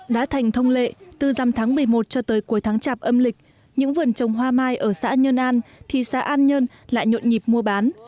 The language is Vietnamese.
đã thành thông lệ từ dăm tháng một mươi một cho tới cuối tháng chạp âm lịch những vườn trồng hoa mai ở xã nhân an thị xã an nhân lại nhuận nhịp mua bán